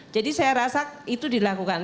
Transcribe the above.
jadi saya rasa itu dilakukan